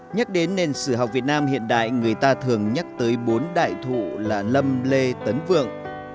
nhắc đến nền sử học việt nam hiện đại người ta thường nhắc tới bốn đại thụ là lâm lê tấn vượng